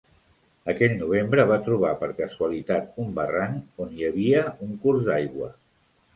Aquell novembre va trobar per casualitat un barranc on hi havia un curs d'aigua.